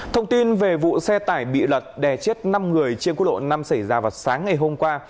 thông tin về vụ xe tải bị lật đè chết năm người trên quốc lộ năm xảy ra vào sáng ngày hôm qua